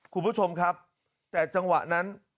คุณผู้ชมครับแต่จังหวะนั้น